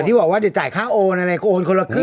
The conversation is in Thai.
อ๋อที่บอกว่าจะจ่ายค่าโอนอะไรโอนคนละครึ่ง